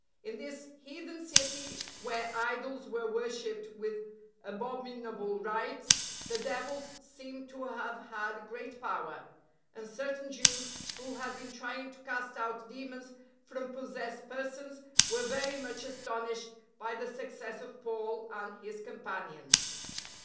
In this heathen city where idols were wor shipped with abominable rites, the devils seem to have had great power, and certain Jews who had been trying to cast out demons from possessed persons were very much astonished by the success of Paul and his companions.